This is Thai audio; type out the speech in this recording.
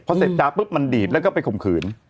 พอเสพจาปุ๊บมันดีดแล้วก็ไปข่มขืน